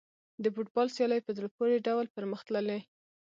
د فوټبال سیالۍ په زړه پورې ډول پرمخ تللې.